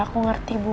ya aku ngerti bu